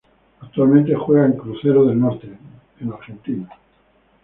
Actualmente juega en Crucero del Norte de Argentina.